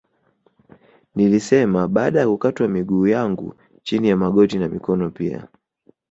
Nilisema baada ya kukatwa miguu yangu chini ya magoti na mikono pia